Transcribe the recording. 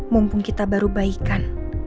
mumpung kita baru baikan